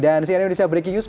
dan cnn indonesia breaking news